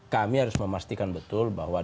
kami harus memastikan betul bahwa